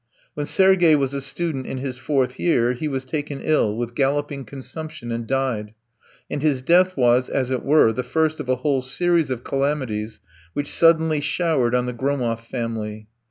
When Sergey was a student in his fourth year he was taken ill with galloping consumption and died, and his death was, as it were, the first of a whole series of calamities which suddenly showered on the Gromov family.